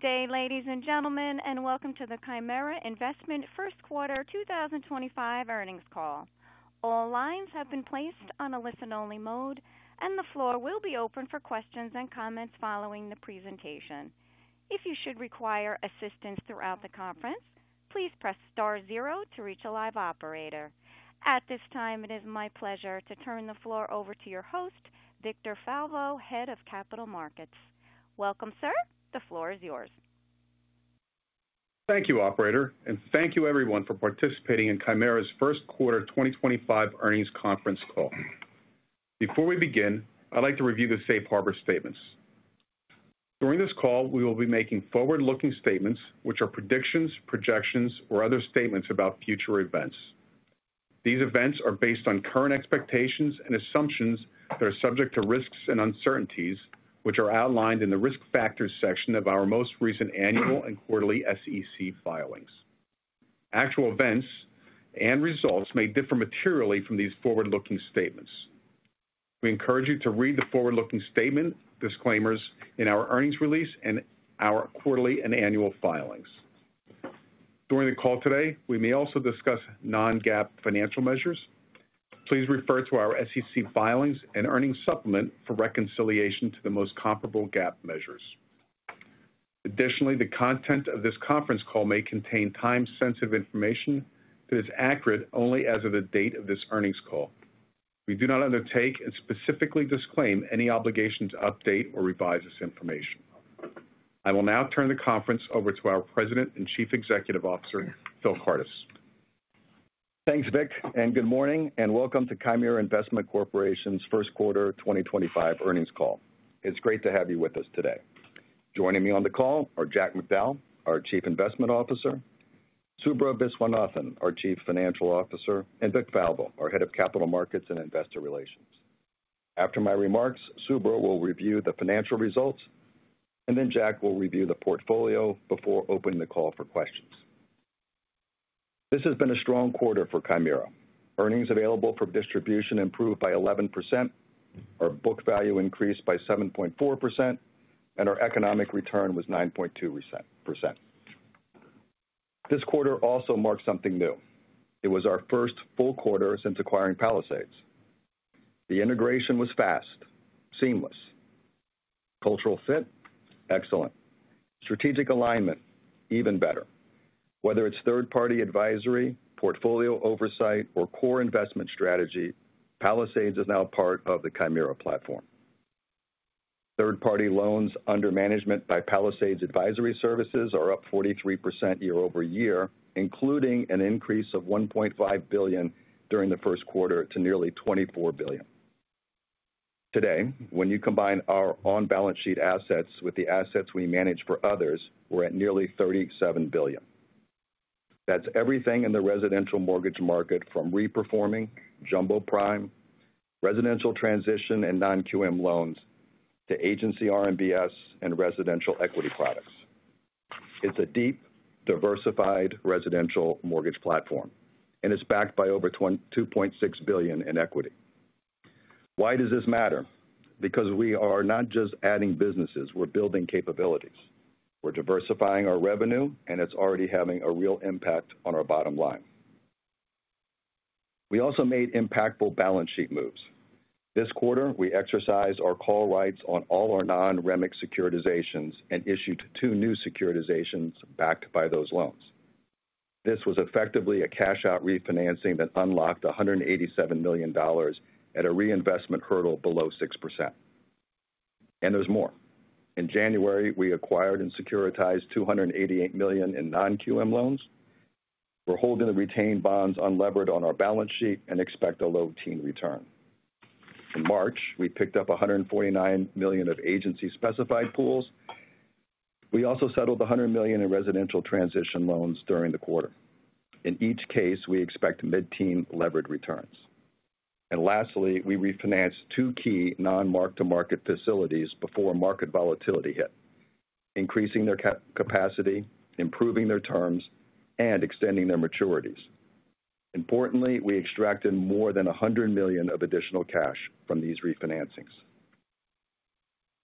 Good day, ladies and gentlemen, and welcome to the Chimera Investment First Quarter 2025 earnings call. All lines have been placed on a listen-only mode, and the floor will be open for questions and comments following the presentation. If you should require assistance throughout the conference, please press Star zero to reach a live operator. At this time, it is my pleasure to turn the floor over to your host, Victor Falvo, Head of Capital Markets. Welcome, sir. The floor is yours. Thank you, Operator, and thank you everyone for participating in Chimera's first quarter 2025 earnings conference call. Before we begin, I'd like to review the Safe Harbor statements. During this call, we will be making forward-looking statements, which are predictions, projections, or other statements about future events. These events are based on current expectations and assumptions that are subject to risks and uncertainties, which are outlined in the risk factors section of our most recent annual and quarterly SEC filings. Actual events and results may differ materially from these forward-looking statements. We encourage you to read the forward-looking statement disclaimers in our earnings release and our quarterly and annual filings. During the call today, we may also discuss non-GAAP financial measures. Please refer to our SEC filings and earnings supplement for reconciliation to the most comparable GAAP measures. Additionally, the content of this conference call may contain time-sensitive information that is accurate only as of the date of this earnings call. We do not undertake and specifically disclaim any obligations to update or revise this information. I will now turn the conference over to our President and Chief Executive Officer, Phil Kardis. Thanks, Vic, and good morning, and welcome to Chimera Investment Corporation's First Quarter 2025 earnings call. It's great to have you with us today. Joining me on the call are Jack Macdowell, our Chief Investment Officer; Subra Viswanathan, our Chief Financial Officer; and Vic Falvo, our Head of Capital Markets and Investor Relations. After my remarks, Subra will review the financial results, and then Jack will review the portfolio before opening the call for questions. This has been a strong quarter for Chimera. Earnings available for distribution improved by 11%, our book value increased by 7.4%, and our economic return was 9.2%. This quarter also marked something new. It was our first full quarter since acquiring Palisades. The integration was fast, seamless. Cultural fit? Excellent. Strategic alignment? Even better. Whether it's third-party advisory, portfolio oversight, or core investment strategy, Palisades is now part of the Chimera platform. Third-party loans under management by Palisades Advisory Services are up 43% year over year, including an increase of $1.5 billion during the first quarter to nearly $24 billion. Today, when you combine our on-balance sheet assets with the assets we manage for others, we're at nearly $37 billion. That's everything in the residential mortgage market, from re-performing, jumbo prime, residential transition, and non-QM loans, to agency RMBS and residential equity products. It's a deep, diversified residential mortgage platform, and it's backed by over $2.6 billion in equity. Why does this matter? Because we are not just adding businesses; we're building capabilities. We're diversifying our revenue, and it's already having a real impact on our bottom line. We also made impactful balance sheet moves. This quarter, we exercised our call rights on all our non-REMIC securitizations and issued two new securitizations backed by those loans. This was effectively a cash-out refinancing that unlocked $187 million at a reinvestment hurdle below 6%. And there's more. In January, we acquired and securitized $288 million in non-QM loans. We're holding the retained bonds unlevered on our balance sheet and expect a low-teens return. In March, we picked up $149 million of agency-specified pools. We also settled $100 million in residential transition loans during the quarter. In each case, we expect mid-teens levered returns. Lastly, we refinanced two key non-mark-to-market facilities before market volatility hit, increasing their capacity, improving their terms, and extending their maturities. Importantly, we extracted more than $100 million of additional cash from these refinancings.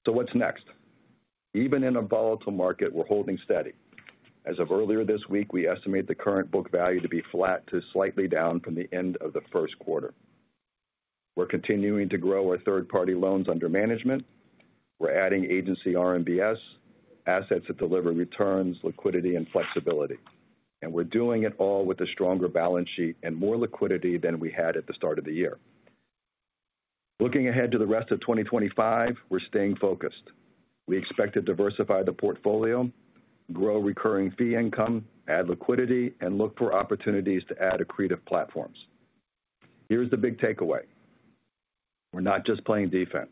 What's next? Even in a volatile market, we're holding steady. As of earlier this week, we estimate the current book value to be flat to slightly down from the end of the first quarter. We're continuing to grow our third-party loans under management. We're adding agency RMBS, assets that deliver returns, liquidity, and flexibility. We're doing it all with a stronger balance sheet and more liquidity than we had at the start of the year. Looking ahead to the rest of 2025, we're staying focused. We expect to diversify the portfolio, grow recurring fee income, add liquidity, and look for opportunities to add accretive platforms. Here's the big takeaway: we're not just playing defense.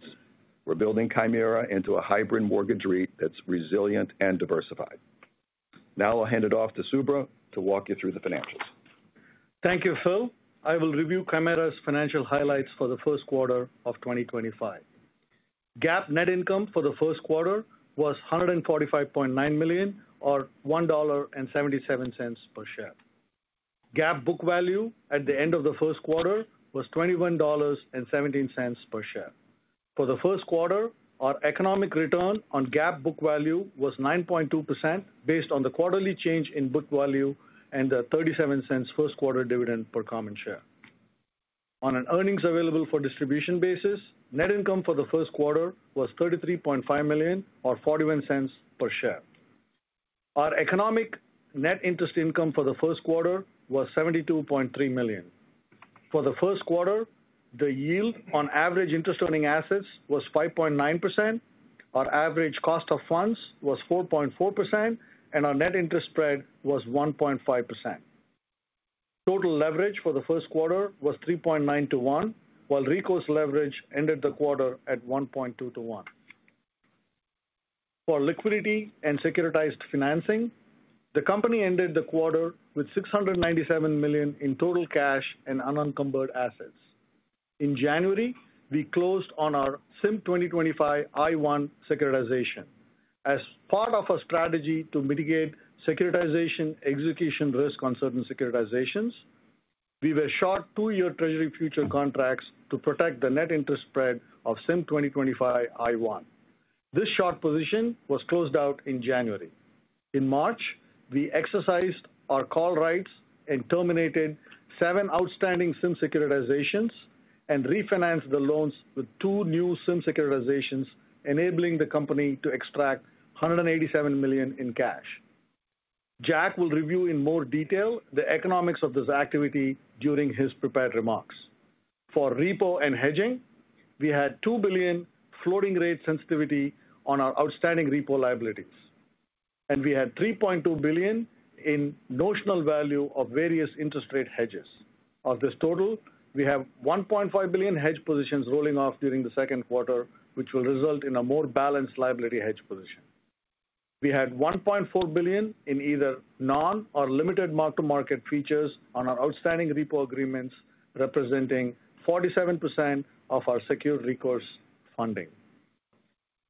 We're building Chimera into a hybrid mortgage REIT that's resilient and diversified. Now I'll hand it off to Subra to walk you through the financials. Thank you, Phil. I will review Chimera's financial highlights for the first quarter of 2025. GAAP net income for the first quarter was $145.9 million, or $1.77 per share. GAAP book value at the end of the first quarter was $21.17 per share. For the first quarter, our economic return on GAAP book value was 9.2% based on the quarterly change in book value and the $0.37 first quarter dividend per common share. On an earnings-available-for-distribution basis, net income for the first quarter was $33.5 million, or $0.41 per share. Our economic net interest income for the first quarter was $72.3 million. For the first quarter, the yield on average interest-earning assets was 5.9%, our average cost of funds was 4.4%, and our net interest spread was 1.5%. Total leverage for the first quarter was 3.9 to 1, while REPO leverage ended the quarter at 1.2 to 1. For liquidity and securitized financing, the company ended the quarter with $697 million in total cash and unencumbered assets. In January, we closed on our SIMP 2025 I1 securitization. As part of our strategy to mitigate securitization execution risk on certain securitizations, we were short two-year Treasury futures contracts to protect the net interest spread of SIMP 2025 I1. This short position was closed out in January. In March, we exercised our call rights and terminated seven outstanding SIMP securitizations and refinanced the loans with two new SIMP securitizations, enabling the company to extract $187 million in cash. Jack will review in more detail the economics of this activity during his prepared remarks. For repo and hedging, we had $2 billion floating-rate sensitivity on our outstanding repo liabilities, and we had $3.2 billion in notional value of various interest-rate hedges. Of this total, we have $1.5 billion hedge positions rolling off during the second quarter, which will result in a more balanced liability hedge position. We had $1.4 billion in either non- or limited mark-to-market features on our outstanding repo agreements, representing 47% of our secured recourse funding.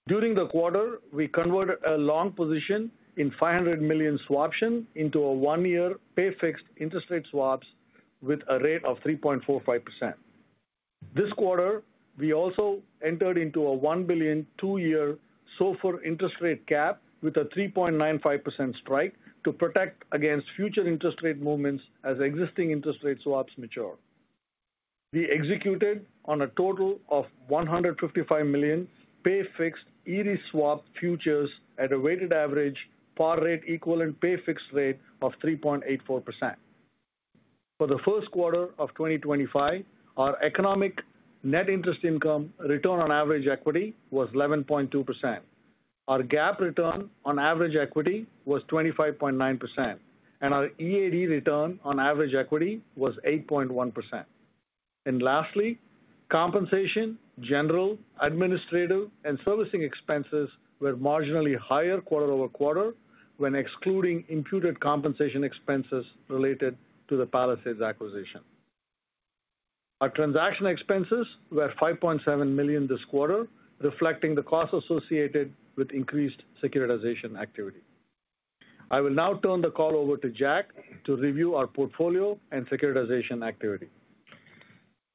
During the quarter, we converted a long position in $500 million swaption into a one-year pay-fixed interest-rate swaps with a rate of 3.45%. This quarter, we also entered into a $1 billion two-year SOFR interest-rate cap with a 3.95% strike to protect against future interest-rate movements as existing interest-rate swaps mature. We executed on a total of $155 million pay-fixed ERIS swap futures at a weighted average par rate equaling pay-fixed rate of 3.84%. For the first quarter of 2025, our economic net interest income return on average equity was 11.2%. Our GAAP return on average equity was 25.9%, and our EAD return on average equity was 8.1%. Lastly, compensation, general, administrative, and servicing expenses were marginally higher quarter over quarter when excluding imputed compensation expenses related to the Palisades acquisition. Our transaction expenses were $5.7 million this quarter, reflecting the costs associated with increased securitization activity. I will now turn the call over to Jack to review our portfolio and securitization activity.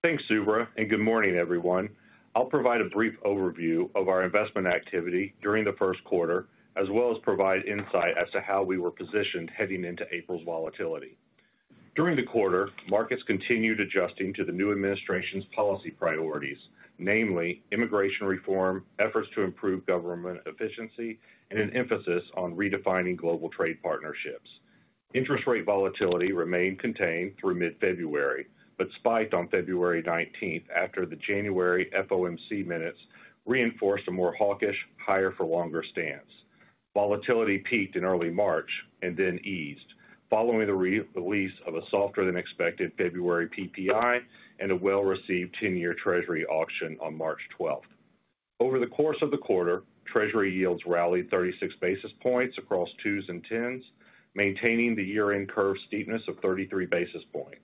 Thanks, Subra, and good morning, everyone. I'll provide a brief overview of our investment activity during the first quarter, as well as provide insight as to how we were positioned heading into April's volatility. During the quarter, markets continued adjusting to the new administration's policy priorities, namely immigration reform, efforts to improve government efficiency, and an emphasis on redefining global trade partnerships. Interest-rate volatility remained contained through mid-February, but spiked on February 19th after the January FOMC minutes reinforced a more hawkish, higher-for-longer stance. Volatility peaked in early March and then eased following the release of a softer-than-expected February PPI and a well-received 10-year Treasury auction on March 12th. Over the course of the quarter, Treasury yields rallied 36 basis points across twos and tens, maintaining the year-end curve steepness of 33 basis points.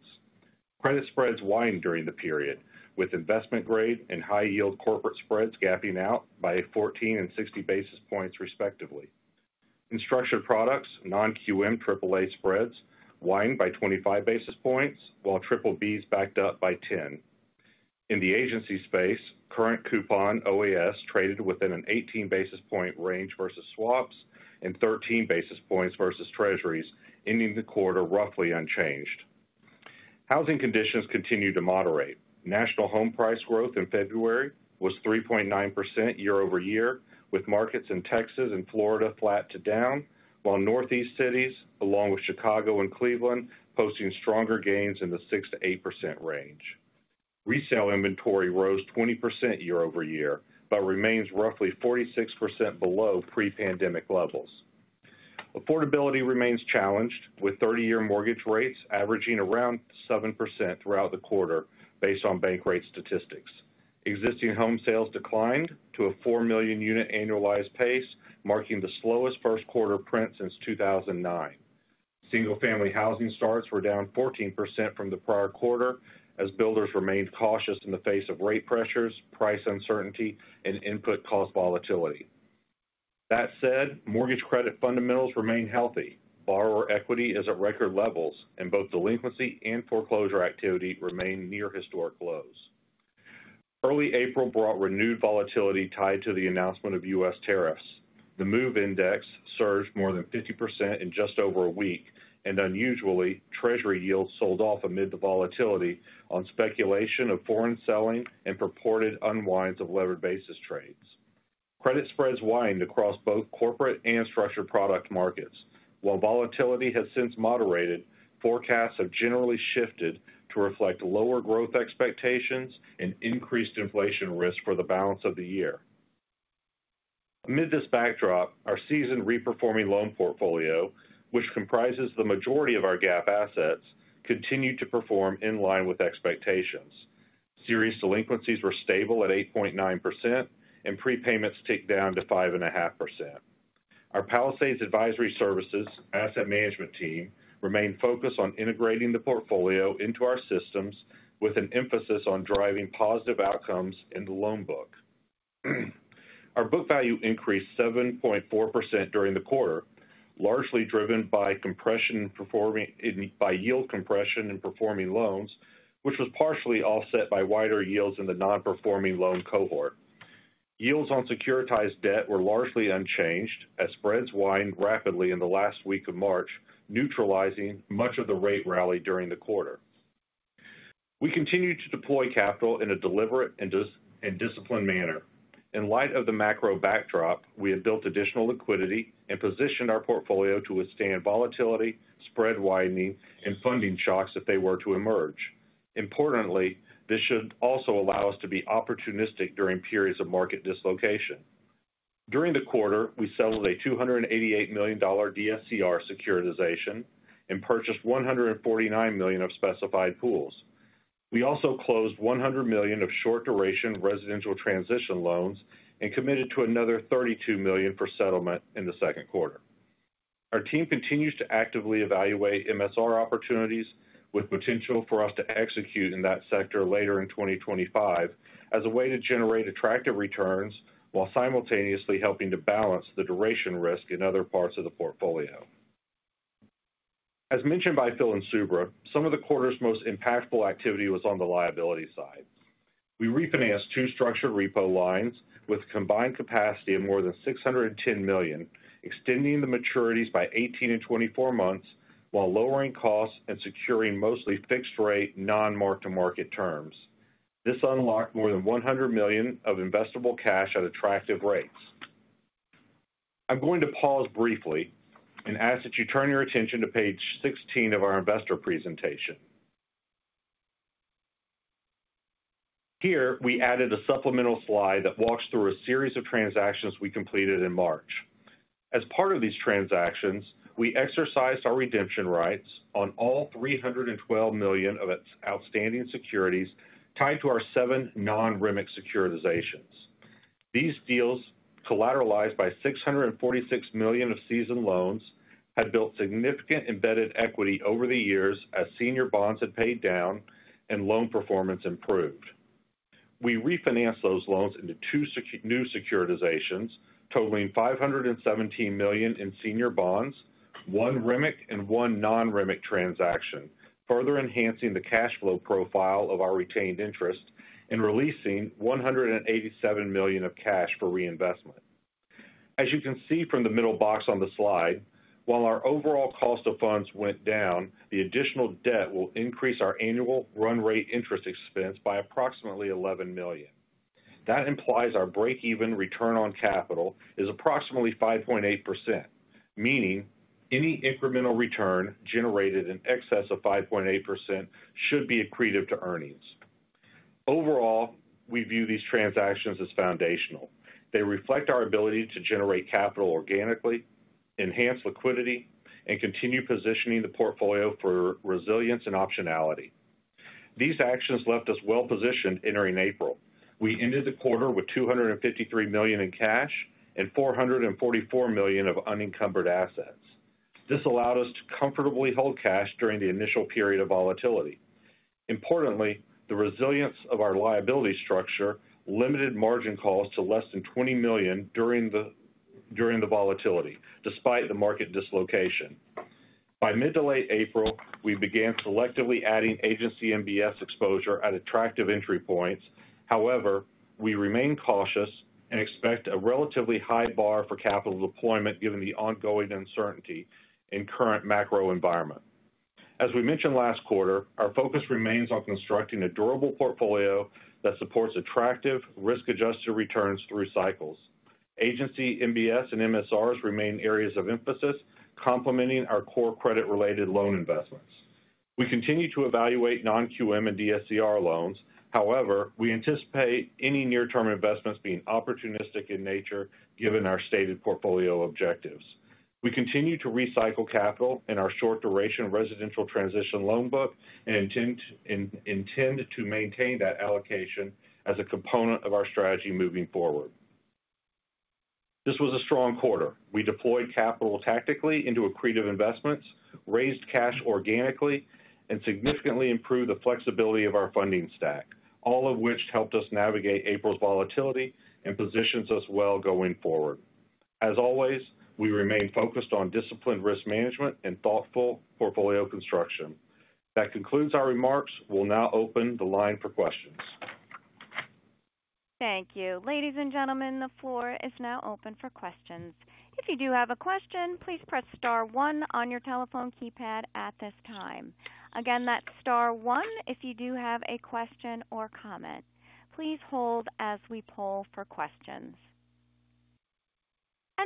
Credit spreads widened during the period, with investment-grade and high-yield corporate spreads gapping out by 14 and 60 basis points, respectively. In structured products, non-QM AAA spreads widened by 25 basis points, while BBBs backed up by 10. In the agency space, current coupon OAS traded within an 18-basis-point range versus swaps and 13 basis points versus Treasuries, ending the quarter roughly unchanged. Housing conditions continued to moderate. National home price growth in February was 3.9% year-over-year, with markets in Texas and Florida flat to down, while Northeast cities, along with Chicago and Cleveland, posting stronger gains in the 6-8% range. Resale inventory rose 20% year-over-year but remains roughly 46% below pre-pandemic levels. Affordability remains challenged, with 30-year mortgage rates averaging around 7% throughout the quarter based on Bankrate statistics. Existing home sales declined to a 4 million unit annualized pace, marking the slowest first-quarter print since 2009. Single-family housing starts were down 14% from the prior quarter, as builders remained cautious in the face of rate pressures, price uncertainty, and input-cost volatility. That said, mortgage credit fundamentals remain healthy. Borrower equity is at record levels, and both delinquency and foreclosure activity remain near historic lows. Early April brought renewed volatility tied to the announcement of U.S. tariffs. The MOVE index surged more than 50% in just over a week, and unusually, Treasury yields sold off amid the volatility on speculation of foreign selling and purported unwinds of levered basis trades. Credit spreads widened across both corporate and structured product markets. While volatility has since moderated, forecasts have generally shifted to reflect lower growth expectations and increased inflation risk for the balance of the year. Amid this backdrop, our seasoned reperforming loan portfolio, which comprises the majority of our GAAP assets, continued to perform in line with expectations. Serious delinquencies were stable at 8.9%, and prepayments ticked down to 5.5%. Our Palisades Advisory Services asset management team remained focused on integrating the portfolio into our systems, with an emphasis on driving positive outcomes in the loan book. Our book value increased 7.4% during the quarter, largely driven by yield compression in performing loans, which was partially offset by wider yields in the non-performing loan cohort. Yields on securitized debt were largely unchanged, as spreads widened rapidly in the last week of March, neutralizing much of the rate rally during the quarter. We continued to deploy capital in a deliberate and disciplined manner. In light of the macro backdrop, we had built additional liquidity and positioned our portfolio to withstand volatility, spread widening, and funding shocks if they were to emerge. Importantly, this should also allow us to be opportunistic during periods of market dislocation. During the quarter, we settled a $288 million DSCR securitization and purchased $149 million of specified pools. We also closed $100 million of short-duration residential transition loans and committed to another $32 million for settlement in the second quarter. Our team continues to actively evaluate MSR opportunities, with potential for us to execute in that sector later in 2025 as a way to generate attractive returns while simultaneously helping to balance the duration risk in other parts of the portfolio. As mentioned by Phil and Subra, some of the quarter's most impactful activity was on the liability side. We refinanced two structured repo lines with combined capacity of more than $610 million, extending the maturities by 18 and 24 months while lowering costs and securing mostly fixed-rate non-mark-to-market terms. This unlocked more than $100 million of investable cash at attractive rates. I'm going to pause briefly and ask that you turn your attention to page 16 of our investor presentation. Here, we added a supplemental slide that walks through a series of transactions we completed in March. As part of these transactions, we exercised our redemption rights on all $312 million of outstanding securities tied to our seven non-REMIC securitizations. These deals, collateralized by $646 million of seasoned loans, had built significant embedded equity over the years as senior bonds had paid down and loan performance improved. We refinanced those loans into two new securitizations, totaling $517 million in senior bonds, one REMIC and one non-REMIC transaction, further enhancing the cash flow profile of our retained interest and releasing $187 million of cash for reinvestment. As you can see from the middle box on the slide, while our overall cost of funds went down, the additional debt will increase our annual run rate interest expense by approximately $11 million. That implies our break-even return on capital is approximately 5.8%, meaning any incremental return generated in excess of 5.8% should be accretive to earnings. Overall, we view these transactions as foundational. They reflect our ability to generate capital organically, enhance liquidity, and continue positioning the portfolio for resilience and optionality. These actions left us well-positioned entering April. We ended the quarter with $253 million in cash and $444 million of unencumbered assets. This allowed us to comfortably hold cash during the initial period of volatility. Importantly, the resilience of our liability structure limited margin calls to less than $20 million during the volatility, despite the market dislocation. By mid to late April, we began selectively adding agency MBS exposure at attractive entry points. However, we remain cautious and expect a relatively high bar for capital deployment given the ongoing uncertainty in the current macro environment. As we mentioned last quarter, our focus remains on constructing a durable portfolio that supports attractive, risk-adjusted returns through cycles. Agency MBS and MSRs remain areas of emphasis, complementing our core credit-related loan investments. We continue to evaluate non-QM and DSCR loans. However, we anticipate any near-term investments being opportunistic in nature given our stated portfolio objectives. We continue to recycle capital in our short-duration residential transition loan book and intend to maintain that allocation as a component of our strategy moving forward. This was a strong quarter. We deployed capital tactically into accretive investments, raised cash organically, and significantly improved the flexibility of our funding stack, all of which helped us navigate April's volatility and positions us well going forward. As always, we remain focused on disciplined risk management and thoughtful portfolio construction. That concludes our remarks. We'll now open the line for questions. Thank you. Ladies and gentlemen, the floor is now open for questions. If you do have a question, please press star one on your telephone keypad at this time. Again, that's star one if you do have a question or comment. Please hold as we poll for questions.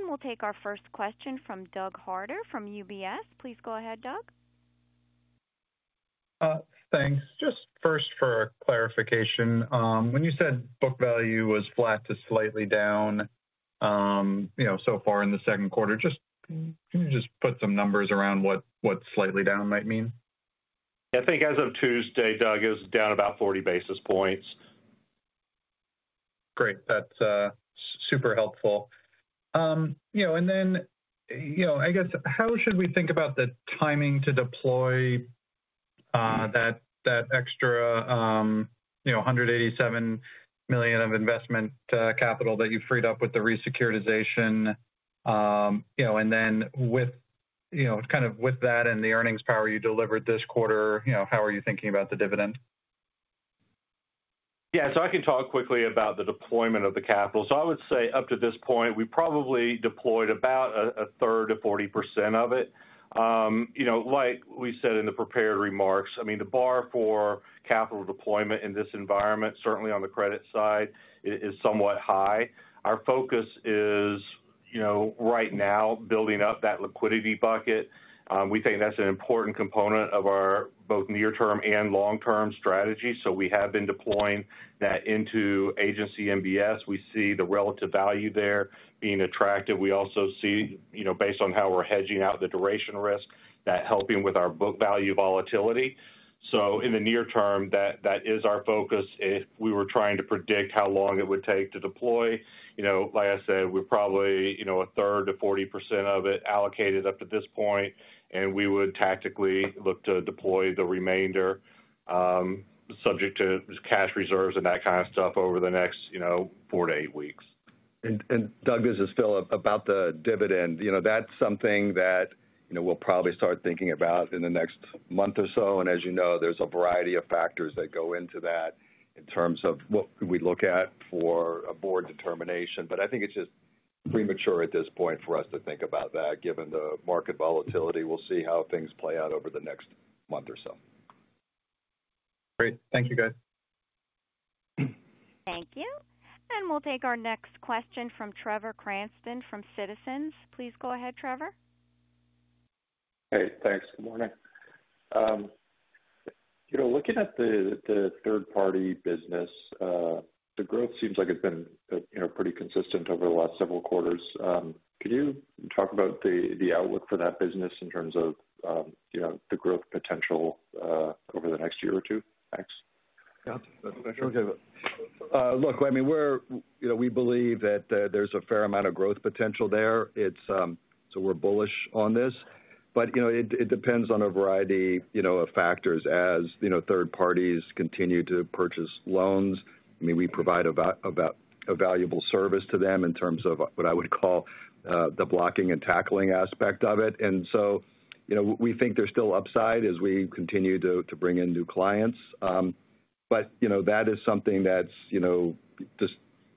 We will take our first question from Douglas from UBS. Please go ahead, Doug. Thanks. Just first for clarification, when you said book value was flat to slightly down, you know, so far in the second quarter, can you just put some numbers around what slightly down might mean? I think as of Tuesday, Doug, it was down about 40 basis points. Great. That's super helpful. You know, I guess, how should we think about the timing to deploy that extra, you know, $187 million of investment capital that you freed up with the resecuritization? Kind of with that and the earnings power you delivered this quarter, how are you thinking about the dividend? Yeah. So I can talk quickly about the deployment of the capital. I would say up to this point, we probably deployed about a third to 40% of it. You know, like we said in the prepared remarks, I mean, the bar for capital deployment in this environment, certainly on the credit side, is somewhat high. Our focus is, you know, right now, building up that liquidity bucket. We think that's an important component of our both near-term and long-term strategy. We have been deploying that into agency RMBS. We see the relative value there being attractive. We also see, you know, based on how we're hedging out the duration risk, that helping with our book value volatility. In the near term, that is our focus. If we were trying to predict how long it would take to deploy, you know, like I said, we're probably, you know, a third to 40% of it allocated up to this point, and we would tactically look to deploy the remainder, subject to cash reserves and that kind of stuff over the next, you know, four to eight weeks. Doug, this is Phil about the dividend. You know, that's something that, you know, we'll probably start thinking about in the next month or so. As you know, there's a variety of factors that go into that in terms of what we look at for a board determination. I think it's just premature at this point for us to think about that, given the market volatility. We'll see how things play out over the next month or so. Great. Thank you, guys. Thank you. We'll take our next question from Trevor Cranston from Citizens. Please go ahead, Trevor. Hey, thanks. Good morning. You know, looking at the third-party business, the growth seems like it's been, you know, pretty consistent over the last several quarters. Could you talk about the outlook for that business in terms of, you know, the growth potential over the next year or two max? Yeah. Sure. Look, I mean, we believe that there's a fair amount of growth potential there. So we're bullish on this. But, you know, it depends on a variety, you know, of factors as, you know, third parties continue to purchase loans. I mean, we provide a valuable service to them in terms of what I would call the blocking and tackling aspect of it. And so, you know, we think there's still upside as we continue to bring in new clients. But, you know, that is something that's, you know, just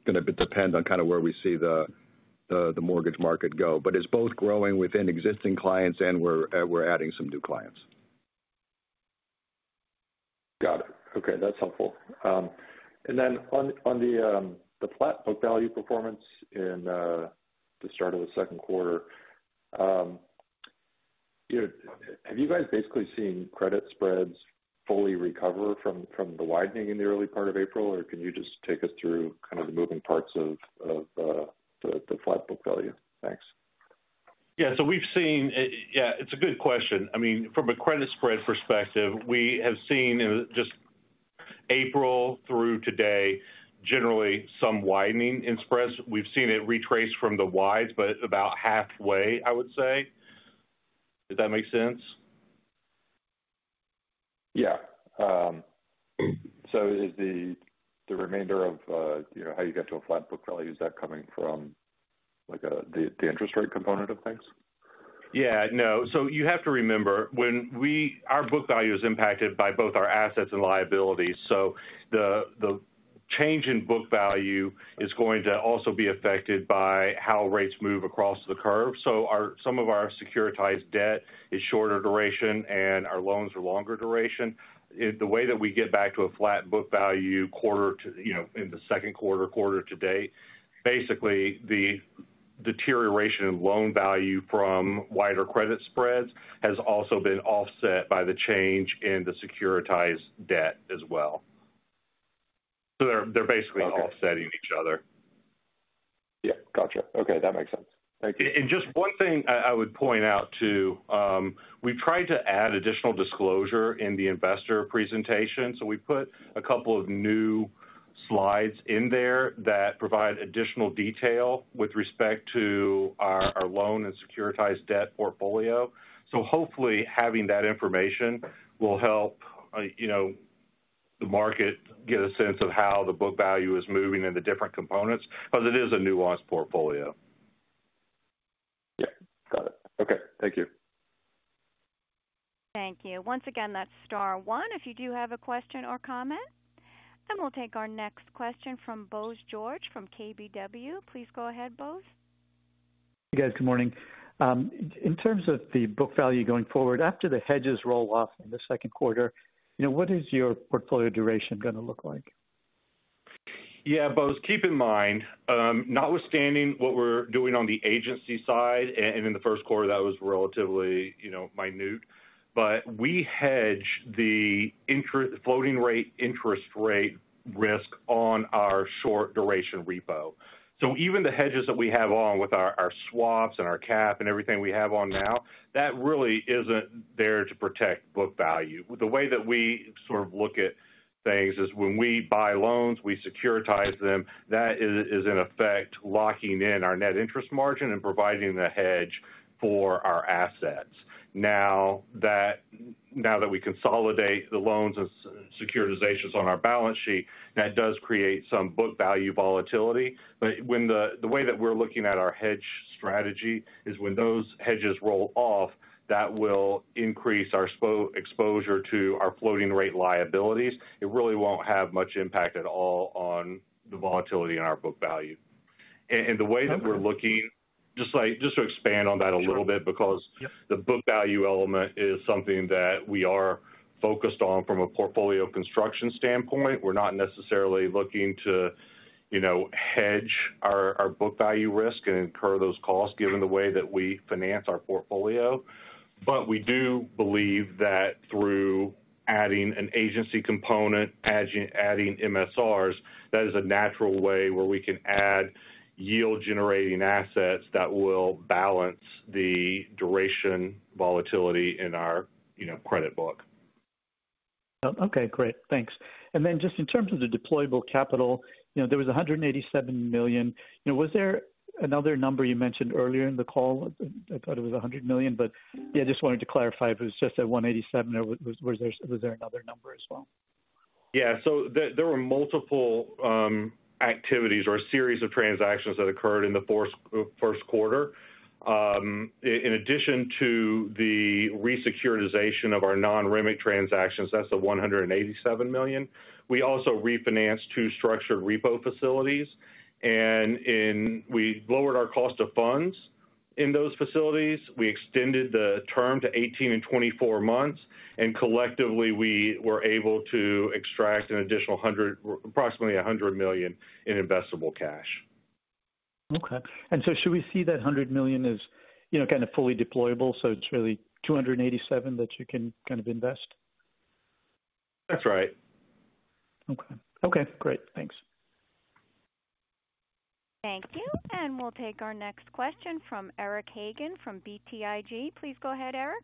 going to depend on kind of where we see the mortgage market go. But it's both growing within existing clients and we're adding some new clients. Got it. Okay. That's helpful. Then on the flat book value performance in the start of the second quarter, you know, have you guys basically seen credit spreads fully recover from the widening in the early part of April, or can you just take us through kind of the moving parts of the flat book value? Thanks. Yeah. So we've seen, yeah, it's a good question. I mean, from a credit spread perspective, we have seen just April through today, generally, some widening in spreads. We've seen it retrace from the wides, but about halfway, I would say. Does that make sense? Yeah. So is the remainder of, you know, how you get to a flat book value, is that coming from, like, the interest rate component of things? Yeah. No. You have to remember, when our book value is impacted by both our assets and liabilities, the change in book value is going to also be affected by how rates move across the curve. Some of our securitized debt is shorter duration, and our loans are longer duration. The way that we get back to a flat book value in the second quarter, quarter to date, basically, the deterioration in loan value from wider credit spreads has also been offset by the change in the securitized debt as well. They are basically offsetting each other. Yeah. Gotcha. Okay. That makes sense. Thank you. Just one thing I would point out too, we've tried to add additional disclosure in the investor presentation. We put a couple of new slides in there that provide additional detail with respect to our loan and securitized debt portfolio. Hopefully, having that information will help, you know, the market get a sense of how the book value is moving in the different components, because it is a nuanced portfolio. Yeah. Got it. Okay. Thank you. Thank you. Once again, that's star one if you do have a question or comment. We'll take our next question from Boas George from KBW. Please go ahead, Boas. Hey, guys. Good morning. In terms of the book value going forward, after the hedges roll off in the second quarter, you know, what is your portfolio duration going to look like? Yeah, Bose, keep in mind, notwithstanding what we're doing on the agency side, and in the first quarter, that was relatively, you know, minute, but we hedge the floating rate interest rate risk on our short duration repo. So even the hedges that we have on with our swaps and our cap and everything we have on now, that really isn't there to protect book value. The way that we sort of look at things is when we buy loans, we securitize them. That is, in effect, locking in our net interest margin and providing the hedge for our assets. Now that we consolidate the loans and securitizations on our balance sheet, that does create some book value volatility. But the way that we're looking at our hedge strategy is when those hedges roll off, that will increase our exposure to our floating rate liabilities. It really will not have much impact at all on the volatility in our book value. The way that we are looking, just to expand on that a little bit, because the book value element is something that we are focused on from a portfolio construction standpoint. We are not necessarily looking to, you know, hedge our book value risk and incur those costs given the way that we finance our portfolio. We do believe that through adding an agency component, adding MSRs, that is a natural way where we can add yield-generating assets that will balance the duration volatility in our, you know, credit book. Okay. Great. Thanks. And then just in terms of the deployable capital, you know, there was $187 million. You know, was there another number you mentioned earlier in the call? I thought it was $100 million, but yeah, just wanted to clarify if it was just at $187 million or was there another number as well? Yeah. There were multiple activities or a series of transactions that occurred in the first quarter. In addition to the resecuritization of our non-REMIC transactions, that's the $187 million. We also refinanced two structured repo facilities. We lowered our cost of funds in those facilities. We extended the term to 18 and 24 months. Collectively, we were able to extract an additional approximately $100 million in investable cash. Okay. And should we see that $100 million as, you know, kind of fully deployable? So it's really $287 million that you can kind of invest? That's right. Okay. Okay. Great. Thanks. Thank you. We'll take our next question from Eric Hagen from BTIG. Please go ahead, Eric.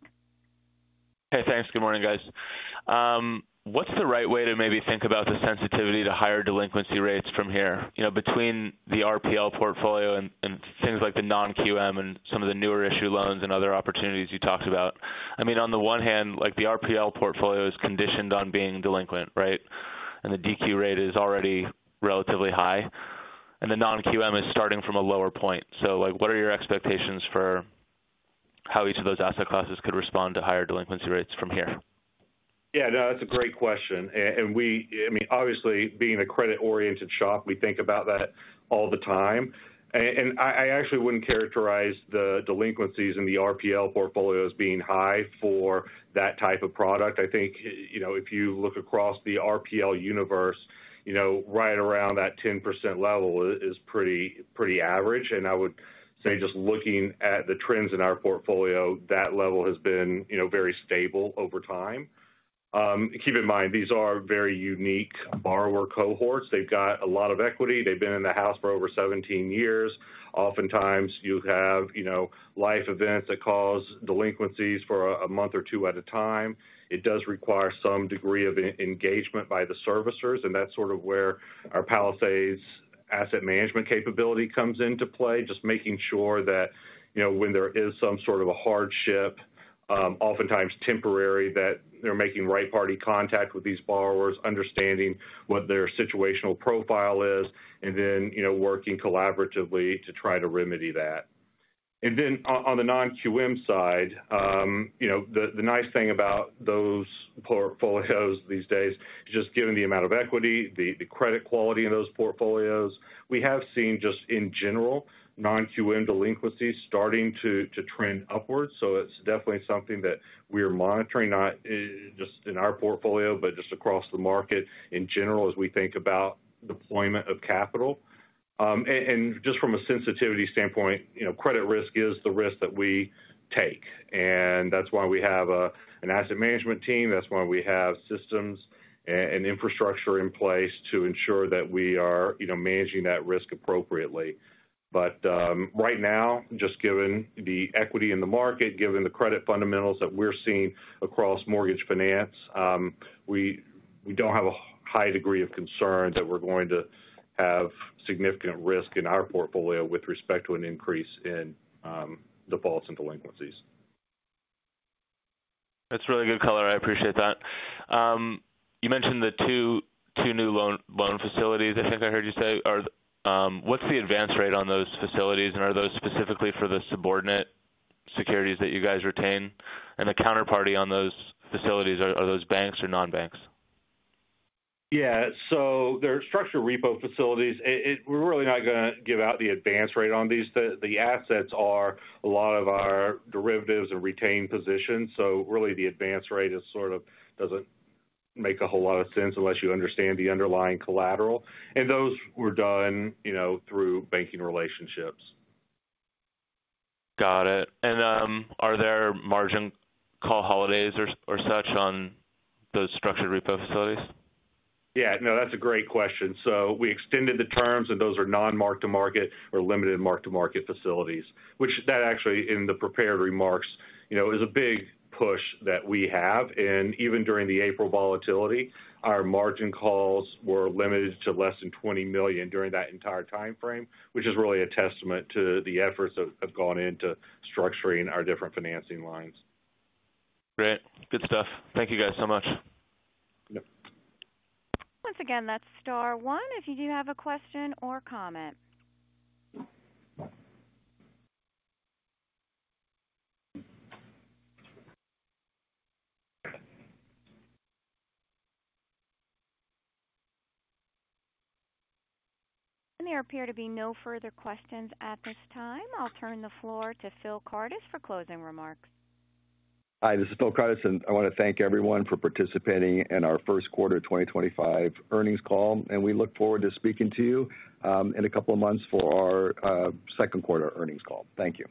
Hey, thanks. Good morning, guys. What's the right way to maybe think about the sensitivity to higher delinquency rates from here, you know, between the RPL portfolio and things like the non-QM and some of the newer issue loans and other opportunities you talked about? I mean, on the one hand, like, the RPL portfolio is conditioned on being delinquent, right? And the DQ rate is already relatively high. And the non-QM is starting from a lower point. Like, what are your expectations for how each of those asset classes could respond to higher delinquency rates from here? Yeah. No, that's a great question. We, I mean, obviously, being a credit-oriented shop, we think about that all the time. I actually would not characterize the delinquencies in the RPL portfolio as being high for that type of product. I think, you know, if you look across the RPL universe, you know, right around that 10% level is pretty average. I would say just looking at the trends in our portfolio, that level has been, you know, very stable over time. Keep in mind, these are very unique borrower cohorts. They've got a lot of equity. They've been in the house for over 17 years. Oftentimes, you have, you know, life events that cause delinquencies for a month or two at a time. It does require some degree of engagement by the servicers. That is sort of where our Palisades asset management capability comes into play, just making sure that, you know, when there is some sort of a hardship, oftentimes temporary, that they're making right-party contact with these borrowers, understanding what their situational profile is, and then, you know, working collaboratively to try to remedy that. On the non-QM side, you know, the nice thing about those portfolios these days is just given the amount of equity, the credit quality in those portfolios, we have seen just in general non-QM delinquencies starting to trend upward. It is definitely something that we are monitoring, not just in our portfolio, but just across the market in general as we think about deployment of capital. Just from a sensitivity standpoint, you know, credit risk is the risk that we take. That is why we have an asset management team. That is why we have systems and infrastructure in place to ensure that we are, you know, managing that risk appropriately. Right now, just given the equity in the market, given the credit fundamentals that we're seeing across mortgage finance, we do not have a high degree of concern that we're going to have significant risk in our portfolio with respect to an increase in defaults and delinquencies. That is really good color. I appreciate that. You mentioned the two new loan facilities, I think I heard you say. What is the advance rate on those facilities? Are those specifically for the subordinate securities that you guys retain? The counterparty on those facilities, are those banks or non-banks? Yeah. They are structured repo facilities. We are really not going to give out the advance rate on these. The assets are a lot of our derivatives and retained positions. The advance rate sort of does not make a whole lot of sense unless you understand the underlying collateral. Those were done, you know, through banking relationships. Got it. Are there margin call holidays or such on those structured repo facilities? Yeah. No, that's a great question. We extended the terms, and those are non-mark-to-market or limited mark-to-market facilities, which that actually, in the prepared remarks, you know, is a big push that we have. Even during the April volatility, our margin calls were limited to less than $20 million during that entire timeframe, which is really a testament to the efforts that have gone into structuring our different financing lines. Great. Good stuff. Thank you, guys, so much. Once again, that's star one if you do have a question or comment. There appear to be no further questions at this time. I'll turn the floor to Phil Kardis for closing remarks. Hi, this is Phil Kardis. I want to thank everyone for participating in our first quarter 2025 earnings call. We look forward to speaking to you in a couple of months for our second quarter earnings call. Thank you.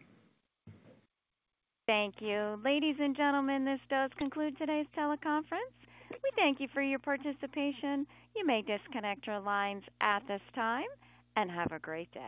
Thank you. Ladies and gentlemen, this does conclude today's teleconference. We thank you for your participation. You may disconnect your lines at this time and have a great day.